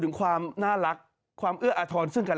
คือคือสงสัย